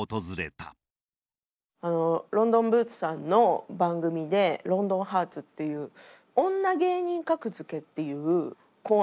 ロンドンブーツさんの番組で「ロンドンハーツ」っていう「女芸人格付け」っていうコーナーがあったんですよ。